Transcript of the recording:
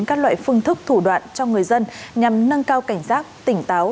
các loại phương thức thủ đoạn cho người dân nhằm nâng cao cảnh giác tỉnh táo